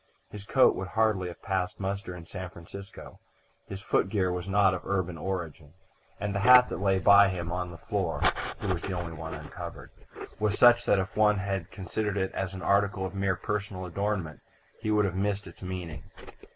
His coat would hardly have passed muster in San Francisco: his footgear was not of urban origin, and the hat that lay by him on the floor (he was the only one uncovered) was such that if one had considered it as an article of mere personal adornment he would have missed its meaning.